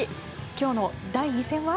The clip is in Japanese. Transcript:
今日の第２戦は？